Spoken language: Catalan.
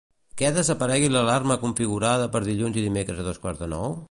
Què desaparegui l'alarma configurada per dilluns i dimecres a dos quarts de nou?